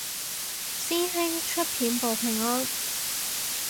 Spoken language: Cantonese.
師兄出片報平安